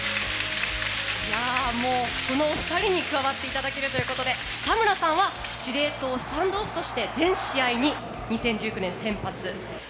もう、このお二人に加わっていただけるということで田村さんは司令塔スタンドオフとして全試合に２０１９年先発。